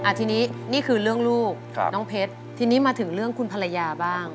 รูปนี้นี่คือเลื่องลูกเราต้องที่นี่มาถึงเรื่องคุนภรรยาบ้าง